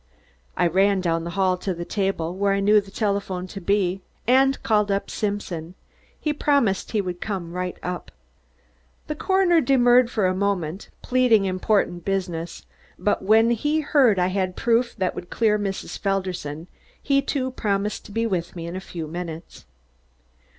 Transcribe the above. I ran down the hall to the table where I knew the telephone to be, and called up Simpson. He promised he would come right up. The coroner demurred for a moment, pleading important business, but when he heard I had proof that would clear Mrs. Felderson, he, too, promised to be with me in a few minutes.